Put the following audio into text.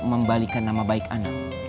membalikan nama baik anak